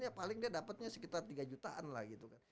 ya paling dia dapatnya sekitar tiga jutaan lah gitu kan